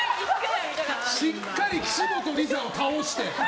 しっかり岸本理沙を倒して。